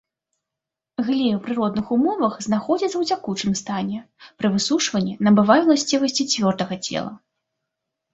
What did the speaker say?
Глей у прыродных умовах знаходзіцца ў цякучым стане, пры высушванні набывае ўласцівасці цвёрдага цела.